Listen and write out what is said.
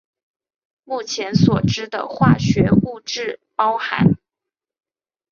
目前所知的化学物质包含。